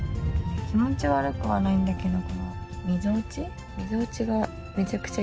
気持ち悪くはないんだけど、この、みぞおち？